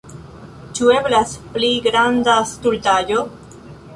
Ĉu eblas pli granda stultaĵo?